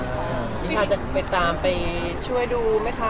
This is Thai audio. อิชาจะไปช่วงดูไหมคะ